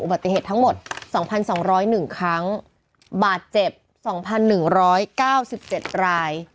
อุบัติเหตุทั้งหมดสองพันสองร้อยหนึ่งครั้งบาดเจ็บสองพันหนึ่งร้อยเก้าสิบเจ็ดราย